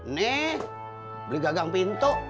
nih beli gagang pintu